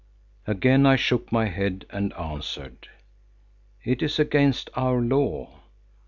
Again I shook my head and answered, "It is against our law.